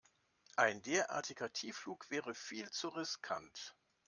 Ein derartiger Tiefflug wäre viel zu riskant.